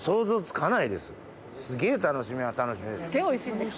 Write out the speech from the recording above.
すげぇ楽しみは楽しみです。